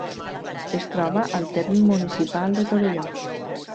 Es troba al terme municipal de Torelló.